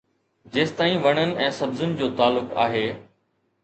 جيستائين وڻن ۽ سبزين جو تعلق آهي.